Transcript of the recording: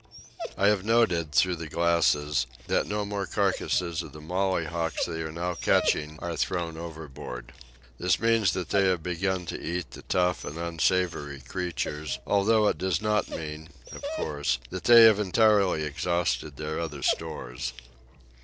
I have noted, through the glasses, that no more carcasses of the mollyhawks they are now catching are thrown overboard. This means that they have begun to eat the tough and unsavoury creatures, although it does not mean, of course, that they have entirely exhausted their other stores.